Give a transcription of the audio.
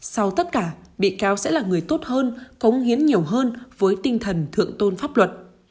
sau tất cả bị cáo sẽ là người tốt hơn cống hiến nhiều hơn với tinh thần thượng tôn pháp luật